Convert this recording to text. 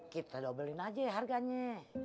kita dobelin aja harganya